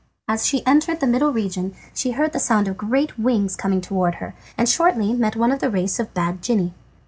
As she entered the middle region she heard the sound of great wings coming towards her, and shortly met one of the race of bad genii.